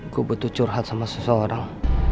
gue butuh curhat sama seseorang